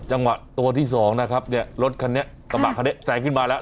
จังหวะตัวที่สองนะครับเนี่ยรถคันนี้กระบะคันนี้แซงขึ้นมาแล้ว